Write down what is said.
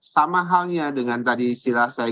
sama halnya dengan tadi istilah saya